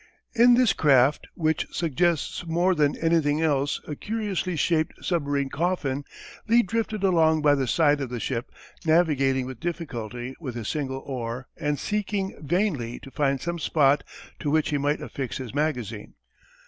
In this craft, which suggests more than anything else a curiously shaped submarine coffin, Lee drifted along by the side of the ship, navigating with difficulty with his single oar and seeking vainly to find some spot to which he might affix his magazine.